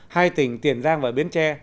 hai tỉnh tiền giang và biến tre